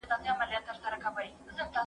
زه اوږده وخت ونې ته اوبه ورکوم!؟